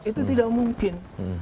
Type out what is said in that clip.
itu tidak mungkin